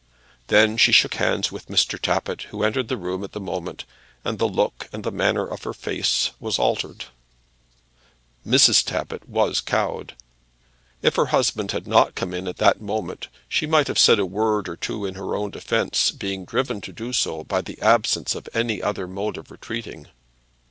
Then she shook hands with Mr. Tappitt, who entered the room at the moment, and the look and manner of her face was altered. Mrs. Tappitt was cowed. If her husband had not come in at that moment she might have said a word or two in her own defence, being driven to do so by the absence of any other mode of retreating.